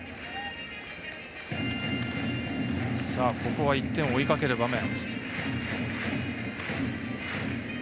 ここは１点を追いかける場面。